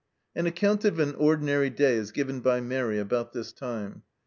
An account of an ordinary day is given by Mairi about this time.